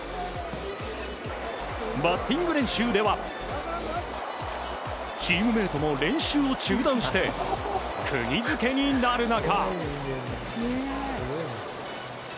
バッティング練習ではチームメートも練習を中断して釘付けになる中。